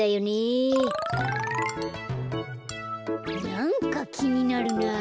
なんかきになるなぁ。